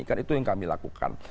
kan itu yang kami lakukan